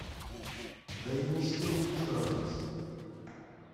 They will swing in turns.